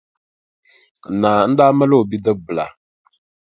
Naa n-daa mali o bidibbila.